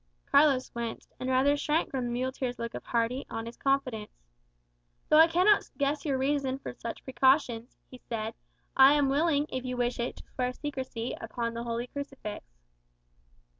Carlos winced, and rather shrank from the muleteer's look of hearty, honest confidence. "Though I cannot guess your reason for such precautions," he said, "I am willing, if you wish it, to swear secrecy upon the holy crucifix."